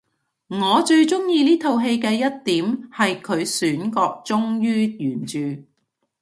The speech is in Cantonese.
我最鍾意呢套戲嘅一點係佢選角忠於原著